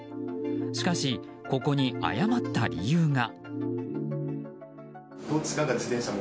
しかし、ここに謝った理由が。